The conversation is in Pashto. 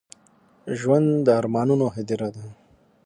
ژوند د ارمانونو هديره ده.